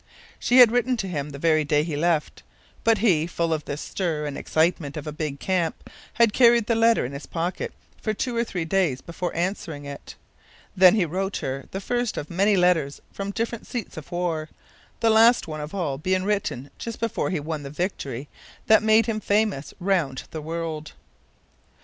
She had written to him the very day he left. But he, full of the stir and excitement of a big camp, had carried the letter in his pocket for two or three days before answering it. Then he wrote her the first of many letters from different seats of war, the last one of all being written just before he won the victory that made him famous round the world.